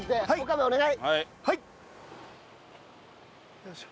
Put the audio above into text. よいしょ。